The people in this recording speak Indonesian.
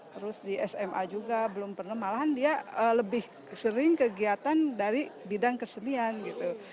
terus di sma juga belum pernah malahan dia lebih sering kegiatan dari bidang kesenian gitu